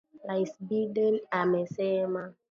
Rais Biden amesema